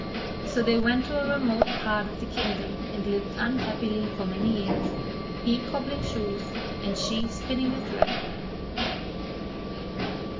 So they went to a remote part of the kingdom and lived unhappily for many years, he cobbling shoes, and she spinning the thread for him.